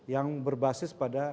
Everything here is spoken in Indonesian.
yang berbasis pada